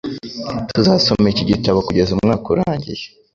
Tuzasoma iki gitabo kugeza umwaka urangiye.